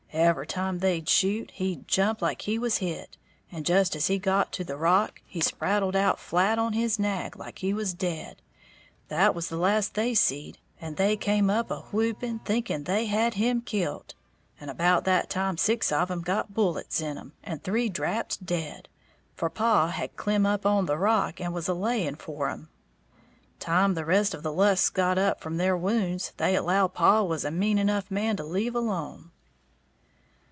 Every time they'd shoot, he'd jump like he was hit; and just as he got to the rock, he spraddled out flat on his nag, like he was dead. That was the last they seed, and they come up a whooping, thinking they had him kilt. And about that time six of 'em got bullets in 'em, and three drapped dead; for paw had clim up on the rock and was a laying for 'em. Time the rest of the Lusks got up from their wounds, they allowed paw was a mean enough man to leave alone."